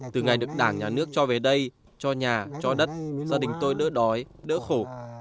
từ ngày được đảng nhà nước cho về đây cho nhà cho đất gia đình tôi đỡ đói đỡ khổ